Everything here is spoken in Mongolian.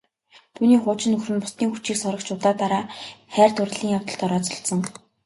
Түүний хуучин нөхөр нь бусдын хүчийг сорогч удаа дараа хайр дурлалын явдалд орооцолдсон.